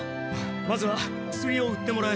まずは薬を売ってもらえ。